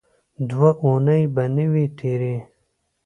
دوه اوونۍ به نه وې تېرې.